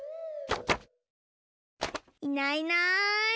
いないいない。